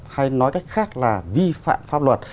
hay nói cách khác là vi phạm pháp luật